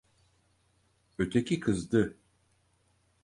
Öteki kızdı…